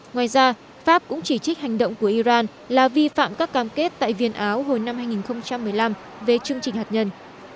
ngoài ra pháp cũng chỉ trích hành động của iran là vi phạm các cam kết tại viên áo hồi năm hai nghìn một mươi năm về chương trình hạt nhân